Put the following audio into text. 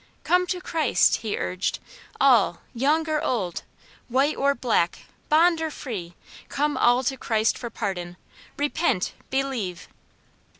"Come to Christ," he urged, "all, young or old, white or black, bond or free, come all to Christ for pardon; repent, believe."